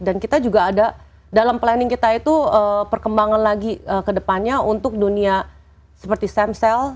dan kita juga ada dalam planning kita itu perkembangan lagi kedepannya untuk dunia seperti stem cell